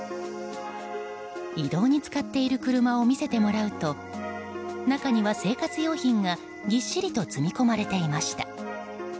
移動に使っている車を見せてもらうと中には生活用品がぎっしりと詰め込まれていました。